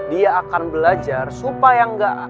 dia akan belajar supaya enggak